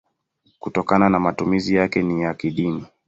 kutokana na matumizi yake ya kidini.